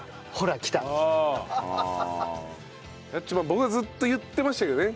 僕はずっと言ってましたけどね。